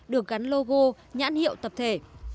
được gắn logo nhãn hiệu tập thể